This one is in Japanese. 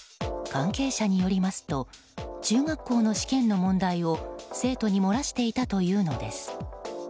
関係者によりますと中学校の試験の問題を生徒に漏らしていたというのです。